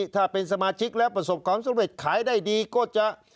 ถ้าเป็นสมาชิกแล้วประสบความสำเร็จขายได้ดีก็จะ